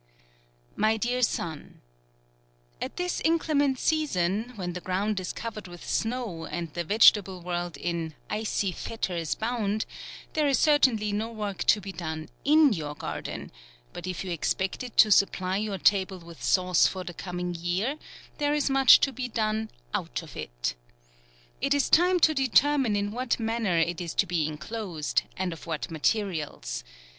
My Dear Son, At this inclement season, when the ground is covered with snow, and the vege table world in " icy fetters bound," there is certainly no work to be done in \ our gar den ; bat if you expect it to supply your table with sauce for the coming year, there is much to be done out of it. It is time to determine in what manner it is to be inclos ed, and of what materials.